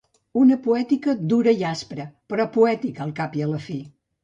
Una poètica dura i aspra, però poètica al cap i a la fi.